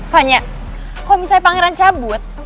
pokoknya kalau misalnya pangeran cabut